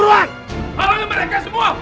hanyalah mereka semua